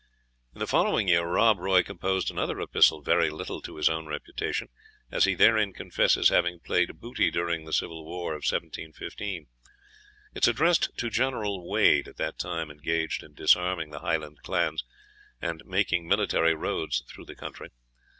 In the following year Rob Roy composed another epistle, very little to his own reputation, as he therein confesses having played booty during the civil war of 1715. It is addressed to General Wade, at that time engaged in disarming the Highland clans, and making military roads through the country.